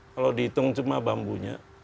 kalau dihitung cuma bambunya